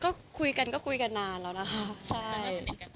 ก็คุยกันก็คุยกันนานแล้วนะคะใช่